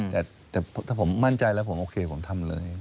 แต่ถ้าผมมั่นใจแล้วผมโอเคผมทำเลย